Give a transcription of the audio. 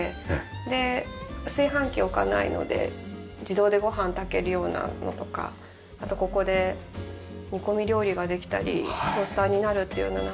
で炊飯器は置かないので自動でご飯炊けるようなのとかあとここで煮込み料理ができたりトースターになるっていうなんか。